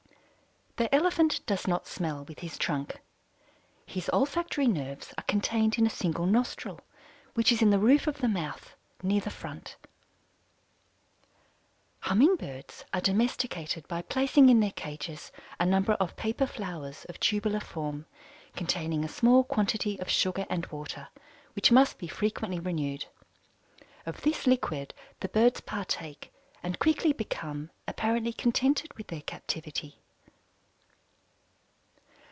The Elephant does not smell with his trunk. His olfactory nerves are contained in a single nostril, which is in the roof of the mouth, near the front. Humming Birds are domesticated by placing in their cages a number of paper flowers of tubular form, containing a small quantity of sugar and water, which must be frequently renewed. Of this liquid the birds partake and quickly become apparently contented with their captivity.